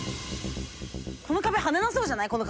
この壁跳ねなそうじゃない？